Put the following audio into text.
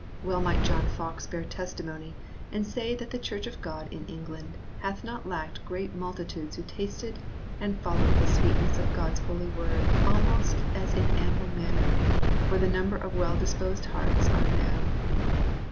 Well might John Foxe bear testimony and say that the Church of God in England " hath not lacked great multitudes who tasted and followed the sweetness of God s holy Word almost in as ample manner, for the number of well disposed hearts as now....